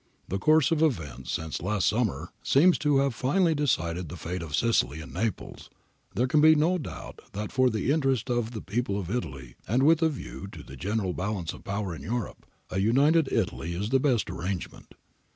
The course of events since last summer (i860) seems to have finally decided the fate of Sicily and Naples, and there can be no doubt that for the interest of the people of Italy, and with a view to the general balance of Power in Europe, a United Italy is the best arrangement.